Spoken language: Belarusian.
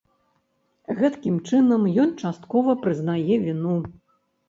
Гэткім чынам, ён часткова прызнае віну.